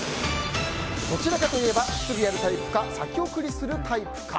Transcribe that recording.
どちらかといえばすぐやるタイプか先送りするタイプか。